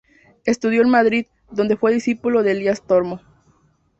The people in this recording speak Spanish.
Estudió en Madrid, donde fue discípulo de Elías Tormo.